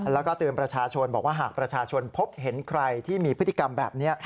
แล้วก็เตือนประชาชนบอกว่าหากประชาชนพบเห็นใครที่มีพฤติกรรมแบบนี้